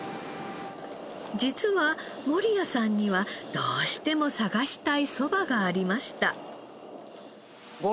実は守屋さんにはどうしても探したいそばがありました。